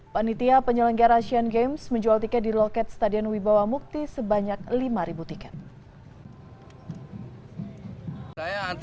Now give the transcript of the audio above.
panitia penyelenggara asian games menjual tiket di loket stadion wibawa mukti sebanyak lima tiket